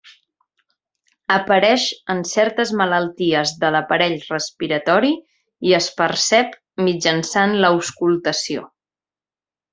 Apareix en certes malalties de l'aparell respiratori i es percep mitjançant l'auscultació.